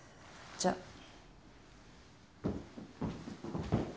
じゃあ。